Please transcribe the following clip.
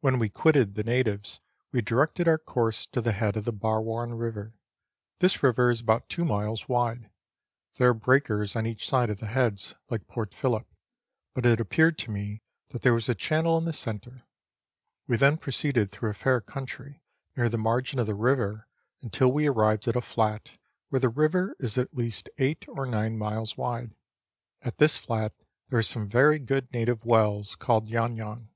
When we quitted the natives, we directed our course to the head of the Barwon River. This river is about two miles wide. There are breakers on each side of the heads, like Port Phillip, but it appeared to me that there was a channel in the centre. We then proceeded through a fair country, near the margin of the river, until we arrived at a flat, where the river is at least eight or nine miles wide. At this flat there are some very good native wells, called Yau Yan.